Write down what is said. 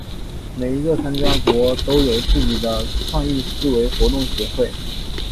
每一个参加国都有自己的创意思维活动协会。